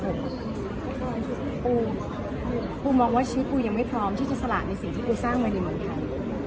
ปูปูมองว่าชีวิตปูยังไม่พร้อมที่จะสละในสิ่งที่กูสร้างมาในเมืองไทย